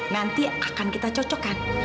nanti akan kita cocokkan